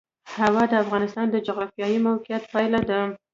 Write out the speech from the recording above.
هوا د افغانستان د جغرافیایي موقیعت پایله ده.